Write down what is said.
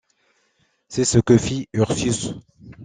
C’est ce que fit Ursus.